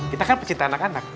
kita kan pecinta anak anak